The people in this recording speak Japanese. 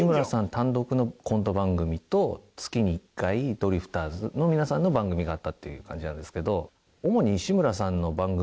単独のコント番組と月に１回ドリフターズの皆さんの番組があったという感じなんですけど。